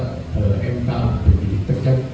kalau mk sudah jadi tegak